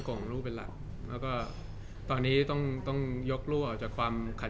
คุยมาตลอดแต่ว่ามัน